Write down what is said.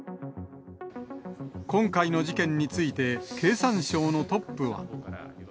今回の事件について、経産省のトップは。